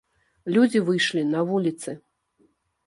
Людзі выйшлі на вуліцы.